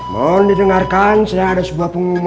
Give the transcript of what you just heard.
mohon didengarkan sedang ada sebuah pengumuman